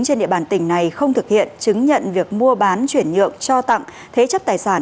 trên địa bàn tỉnh này không thực hiện chứng nhận việc mua bán chuyển nhượng cho tặng thế chấp tài sản